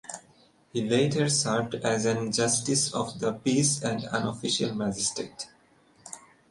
He later served as an Justice of the Peace and Unofficial magistrate.